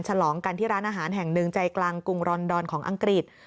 ฉลองกันที่ร้านอาหารแห่งหนึ่งใจกลางกรุงรอนดอนของอังกฤษ